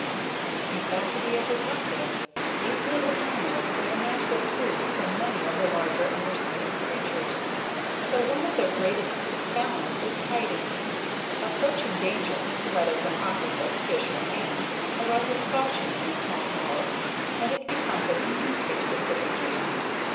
You've got to be a detective. These little animals are the natural food for many of the larger undersea creatures, so one of their greatest talents is hiding. Approaching danger, whether from octopus, fish or man, arouses caution in a small mollusk and it becomes as inconspicuous as it can.